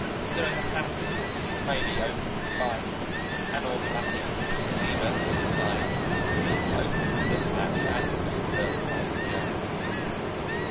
There is a hatch which may be opened by an automatic lever in the side. Please open this hatch and remove the passenger."